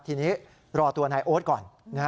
ทีนี้รอตัวนายโอ๊ตก่อน